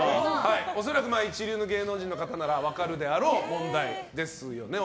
恐らく一流の芸能人の方なら分かる問題ですよね。